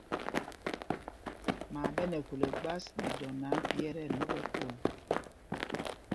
Maa ɓɛ nɛ khul ɛgbas nɛ dɔ náǎ, phī ɛ tí ɛnɔ ɓɛ kol.